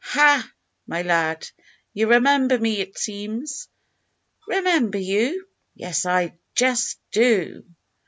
"Hah! my lad, you remember me, it seems?" "Remember you? Yes, I just do!"